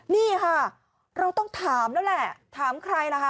นี่ค่ะเราต้องถามแล้วแหละถามใครล่ะคะ